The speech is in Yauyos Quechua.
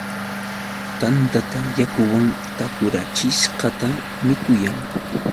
Tantatam yakuwan takurachishqata mikuyan.